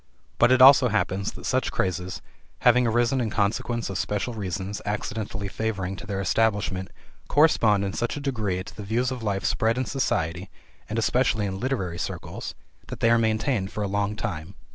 But it also happens that such crazes, having arisen in consequence of special reasons accidentally favoring to their establishment, correspond in such a degree to the views of life spread in society, and especially in literary circles, that they are maintained for a long time.